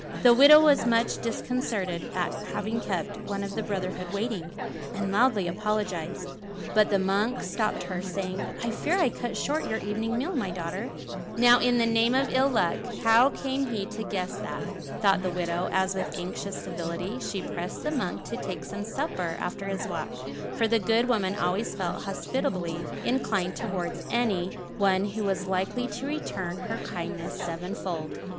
The widow was much disconcerted at having kept one of the brotherhood waiting, and loudly apologized, but the monk stopped her, saying, "I fear I cut short your evening meal, my daughter." "Now in the name of ill luck, how came he to guess that?" thought the widow, as with anxious civility she pressed the monk to take some supper after his walk; for the good woman always felt hospitably inclined towards any one who was likely to return her kindness sevenfold.